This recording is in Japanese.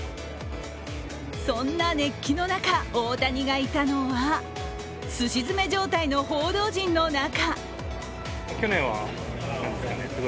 そんな熱気の中大谷がいたのは、すし詰め状態の報道陣の中。